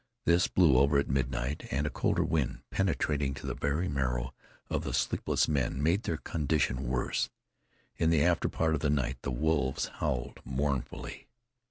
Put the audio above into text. This blew over at midnight, and a colder wind, penetrating to the very marrow of the sleepless men, made their condition worse. In the after part of the night, the wolves howled mournfully.